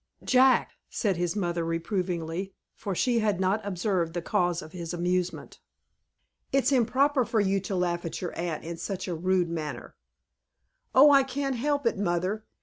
"Jack!" said his mother, reprovingly, for she had not observed the cause of his amusement. "It's improper for you to laugh at your aunt in such a rude manner." "Oh, I can't help it, mother.